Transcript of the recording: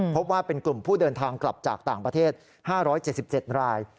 พบว่าเป็นกลุ่มผู้เดินทางกลับจากต่างประเทศ๕๗๗ราย